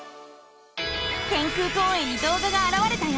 天空公園に動画があらわれたよ！